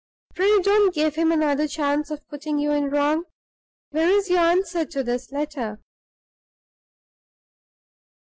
Pray don't give him another chance of putting you in the wrong. Where is your answer to his letter?"